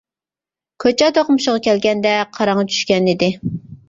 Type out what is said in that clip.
كوچا دوقمۇشىغا كەلگەندە قاراڭغۇ چۈشكەن ئىدى.